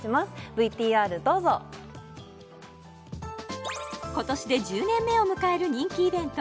ＶＴＲどうぞ今年で１０年目を迎える人気イベント